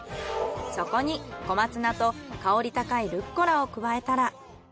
そこに小松菜と香り高いルッコラを加えたら。